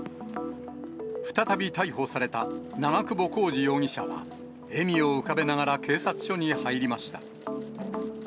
再び逮捕された長久保浩二容疑者は、笑みを浮かべながら警察署に入りました。